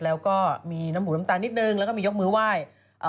แล้วก็มีน้ำหูน้ำตาลนิดนึงแล้วก็มียกมือไหว้อ่า